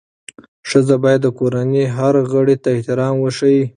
ښځه باید د کورنۍ هر غړي ته احترام وښيي.